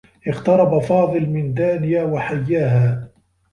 اقترب فاضل من دانية و حيّاها.